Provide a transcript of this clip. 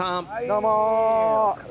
どうも。